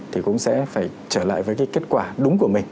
thì cũng sẽ phải trở lại với cái kết quả đúng của mình